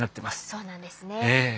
そうなんですね。